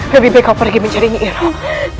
lebih baik kau pergi mencari nyi iroh